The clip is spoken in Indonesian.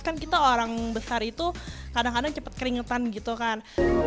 kan kita orang besar itu kadang kadang cepat keringetan gitu kan